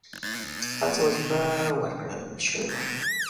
خاصه وظیفه ورکړه شوې وه.